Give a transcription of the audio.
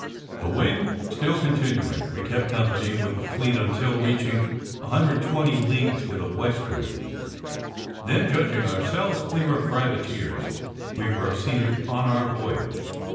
The wind still continuing, we kept company with the fleet until reaching 120 leagues to the westward; then judging ourselves clear of privateers, we proceeded on our voyage.